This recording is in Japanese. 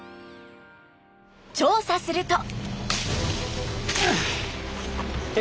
調査すると。